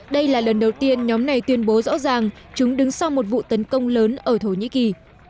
đây là lần đầu tiên nhóm này tuyên bố rõ ràng chúng đứng sau một vụ tấn công lớn ở thổ nhĩ kỳ